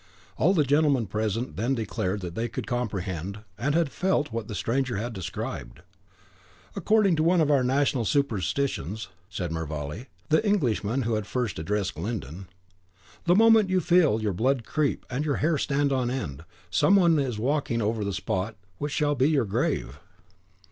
All the gentleman present then declared that they could comprehend, and had felt, what the stranger had described. "According to one of our national superstitions," said Mervale, the Englishman who had first addressed Glyndon, "the moment you so feel your blood creep, and your hair stand on end, some one is walking over the spot which shall be your grave."